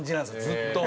ずっと。